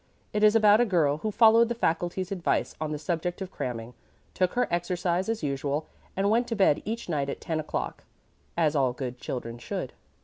It is about a girl who followed the faculty's advice on the subject of cramming, took her exercise as usual, and went to bed each night at ten o'clock, as all good children should.